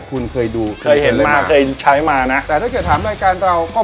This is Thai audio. คุณเคยดูเคยเห็นมาเคยใช้มานะแต่ถ้าเกิดถามรายการเราก็